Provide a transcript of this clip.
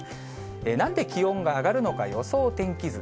なんで気温が上がるのか、予想天気図。